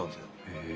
へえ。